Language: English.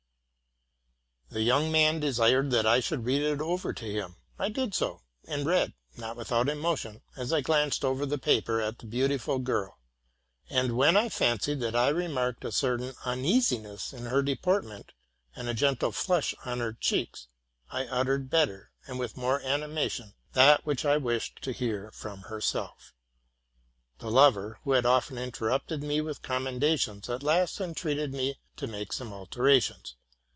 The young man desired that I should re ad it over to him: I did so, and read, not without emotion, as I glanced over the paper at the beautiful girl; and when I fancied that I re marked a certain uneasiness in her deportment, and a gentle flush on her cheeks, I uttered better and with more animation that which I wished to hear from herself. The lover, who had often interrupted me with commendations, at last en treated me to make some alterations.